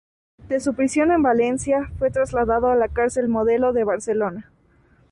De su prisión en Valencia fue trasladado a la Cárcel Modelo de Barcelona.